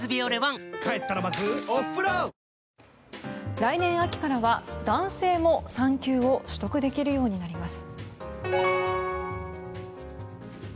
来年秋からは男性も産休を取得できるようになります。